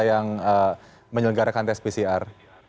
yang menyelenggarakan tes pcr